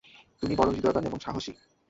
তুমি বড় হৃদয়বান এবং সাহসী।